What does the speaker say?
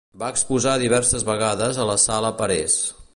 Va exposar diverses vegades a la Sala Parés.